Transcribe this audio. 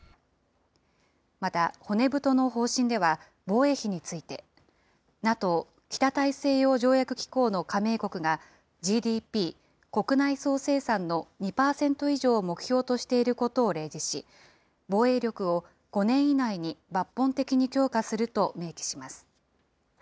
また、骨太の方針では防衛費について、ＮＡＴＯ・北大西洋条約機構の加盟国がＧＤＰ・国内総生産の２％以上を目標としていることを例示し、防衛力を５年以内に抜本的に強化すると明記します。